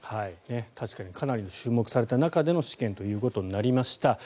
確かにかなり注目された中での試験となりました。